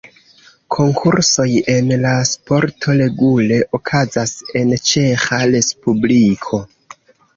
Konkursoj en la sporto regule okazas en Ĉeĥa respubliko.